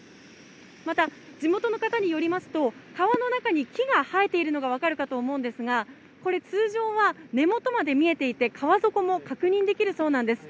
また、地元の方によりますと、川の中に木が生えているのが分かるかと思いますが、これ、通常は根元まで見えていて、川底も確認できるそうなんです。